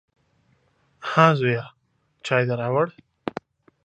_ها زويه، چای دې راووړ؟